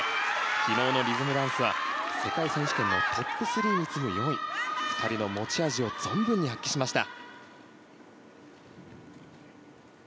昨日のリズムダンスは世界選手権のトップ３に次ぐ４位２人の持ち味を存分に発揮しました。